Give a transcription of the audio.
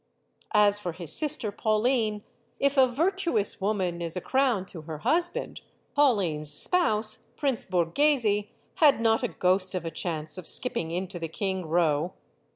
As for his sister, Pauline, if "a virtuous woman is a crown to her husband," Pauline's spouse, Prince Borghese, had not a ghost of a chance of skipping into the king row.